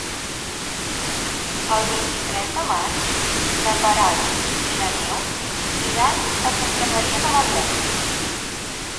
El vint-i-tres de maig na Queralt i na Neus iran a Santa Maria de Merlès.